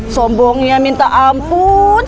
sombongnya minta ampun